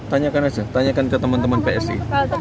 tanyakan aja tanyakan ke teman teman psi